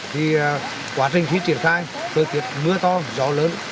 thì quá trình khi triển khai thời tiết mưa to gió lớn